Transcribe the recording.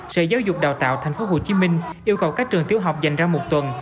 sở giáo dục đào tạo thành phố hồ chí minh yêu cầu các trường tiểu học dành ra một tuần